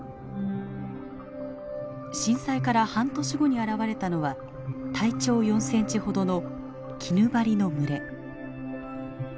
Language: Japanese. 震災から半年後に現れたのは体長４センチほどのキヌバリの群れ。